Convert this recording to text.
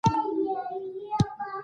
احمد خپل دوښمنان وټکول.